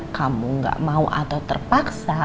kamu gak mau atau terpaksa